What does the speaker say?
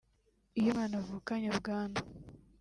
Iyo umwana avukanye ubwandu